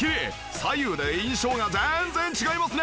左右で印象が全然違いますね。